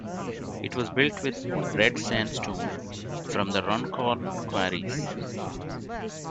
It was built with red sandstone from the Runcorn quarries.